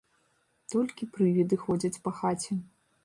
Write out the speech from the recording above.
Толькі прывіды ходзяць па хаце.